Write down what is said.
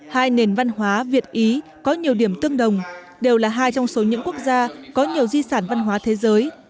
hai nền văn hóa việt ý có nhiều điểm tương đồng đều là hai trong số những quốc gia có nhiều di sản văn hóa thế giới